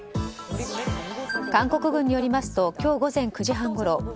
韓国軍によりますと今日午前９時半ごろ